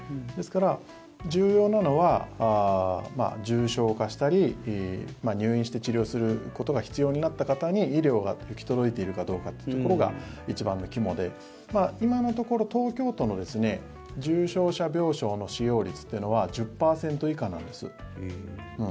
ですから、重要なのは重症化したり入院して治療することが必要になった方に医療が行き届いているかというところが一番の肝で、今のところ東京都の重症者病床の使用率というのは１０％以下なんです。